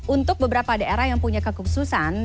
untuk beberapa daerah yang punya kekhususan